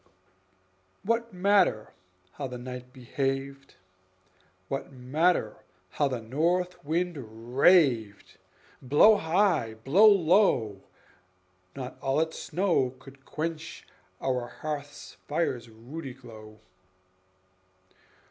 What matter how the night behaved? What matter how the north wind raved? Blow high, blow low, not all its snow Could quench our hearth fire's ruddy glow.